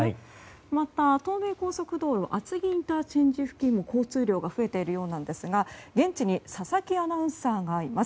また、東名高速道路厚木ＩＣ付近も交通量が増えているようなんですが現地に佐々木アナウンサーがいます。